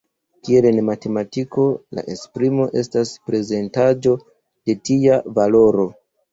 Kiel en matematiko, la esprimo estas prezentaĵo de tia valoro.